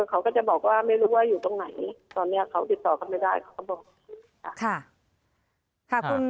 เขาก็จะบอกว่าไม่รู้ว่าอยู่ตรงไหนตอนนี้เขาติดต่อกันไม่ได้